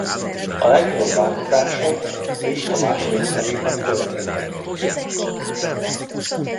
A legnagyobb változások a lista második felében történtek.